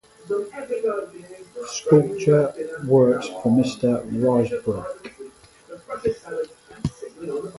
Sculptor works for Mr Rysbrack.